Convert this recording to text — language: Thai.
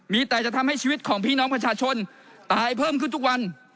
มีแต่จะทำให้ชีวิตของพี่น้องประชาชนตายเพิ่มขึ้นทุกวัน